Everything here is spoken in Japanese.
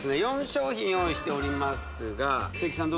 ４商品用意しておりますが鈴木さん